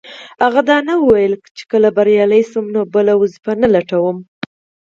هغه دا نه وو ويلي چې که بريالی نه شو نو بله دنده لټوي.